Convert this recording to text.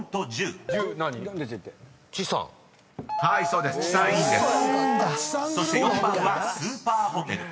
［そして４番は「スーパーホテル」］